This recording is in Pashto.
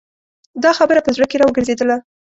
دا خبره په زړه کې را وګرځېدله.